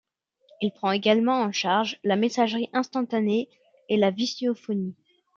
Il prend également en charge la messagerie instantanée et la visiophonie.